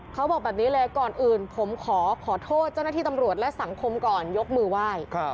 เขาบอกแบบนี้เลยก่อนอื่นผมขอขอโทษเจ้าหน้าที่ตำรวจและสังคมก่อนยกมือไหว้